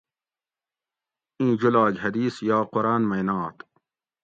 ایں جولاگ حدیث یا قرآن مئی نات